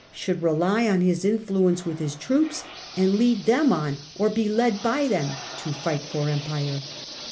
should rely on his influence with his troops and lead them on, or be led by them, to fight for empire.